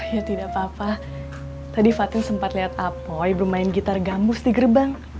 ya tidak apa apa tadi fatil sempat lihat apoy bermain gitar gambus di gerbang